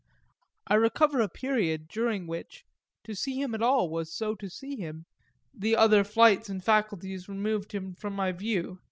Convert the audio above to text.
I recover a period during which to see him at all was so to see him the other flights and faculties removed him from my view.